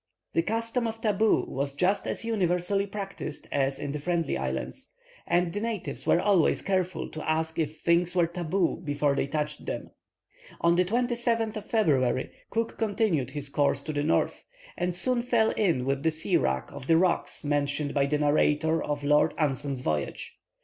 The custom of "tabu" was just as universally practised as in the Friendly Islands, and the natives were always careful to ask if things were "tabu" before they touched them. On the 27th of February, Cook continued his course to the north, and soon fell in with the sea wrack of the rocks mentioned by the narrator of Lord Anson's voyage.